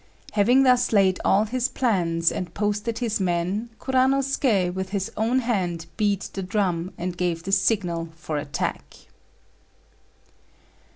Having thus laid all his plans and posted his men, Kuranosuké with his own hand beat the drum and gave the signal for attack.